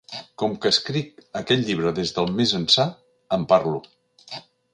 Com que escric aquest llibre des del més ençà, en parlo.